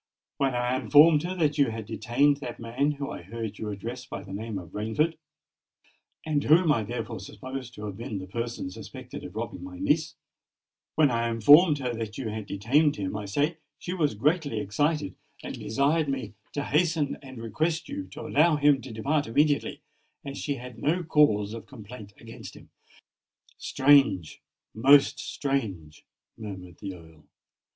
"When I informed her that you had detained that man, whom I heard you address by the name of Rainford, and whom I therefore supposed to have been the person suspected of robbing my niece,—when I informed her that you had detained him, I say, she was greatly excited, and desired me to hasten and request you to allow him to depart immediately, as she had no cause of complaint against him." "Strange!—most strange!" murmured the Earl.